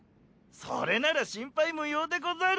それなら心配無用でござる。